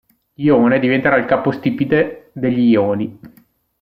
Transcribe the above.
Ione diventerà il capostipite degli Ioni.